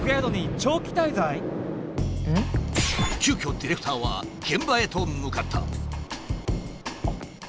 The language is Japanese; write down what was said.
急きょディレクターは現場へと向かった。